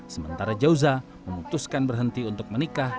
sementara jauza memutuskan berhenti untuk menikah